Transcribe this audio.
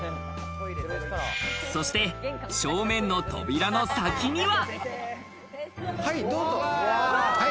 そして正面の扉の先には。